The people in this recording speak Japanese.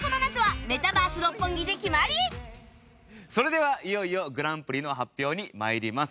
それではいよいよグランプリの発表に参ります。